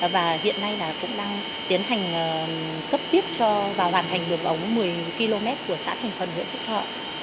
và hiện nay là cũng đang tiến hành cấp tiếp và hoàn thành đường ống một mươi km của xã thành phần huyện phúc thọ